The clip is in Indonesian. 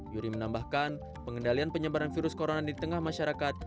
yuri menambahkan pengendalian penyebaran virus corona di tengah masyarakat